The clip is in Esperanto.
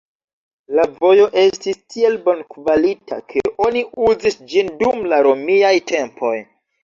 La vojo estis tiel bonkvalita, ke oni uzis ĝin dum la romiaj tempoj.